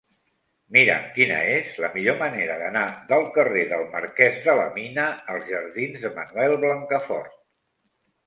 Mira'm quina és la millor manera d'anar del carrer del Marquès de la Mina als jardins de Manuel Blancafort.